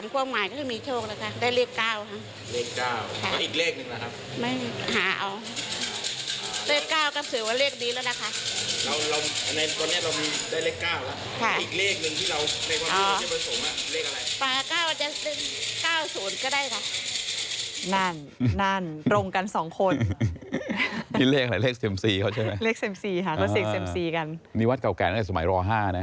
เขาเสียงเซ็มซีกันนี่วัดเก่าแก่นั้นแต่สมัยรอห้าน่ะ